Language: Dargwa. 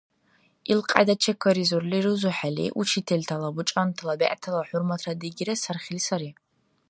Илкьяйда чекаризурли рузухӀели, учительтала, бучӀантала, бегӀтала хӀурматра дигира сархили сари.